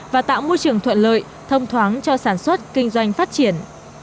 và tạo môi trường thuận lợi thông thoáng cho sản xuất kinh doanh phát triển